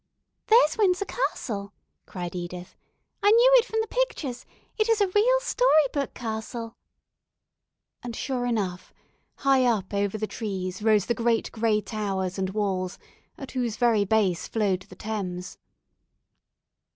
"There's Windsor Castle," cried Edith. "I knew it from the pictures; it is a real story book castle." And, sure enough, high up over the trees rose the great gray towers and walls at whose very base flowed the Thames.